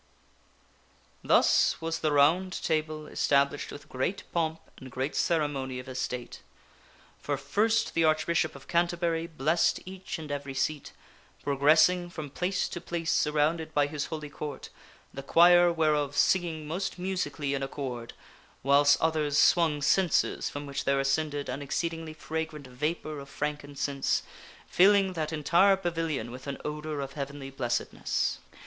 Thus was the Round Table established with great pomp and great cere mony of estate. For first the Archbishop of Canterbury blessed each and every seat, progressing from place to place surrounded by his Holy Court, the choir whereof singing most musically in accord, whiles others swung censers from which there ascended an exceedingly fragrant vapor of frank incense, filling that entire pavilion with an odor of Heavenly blessedness.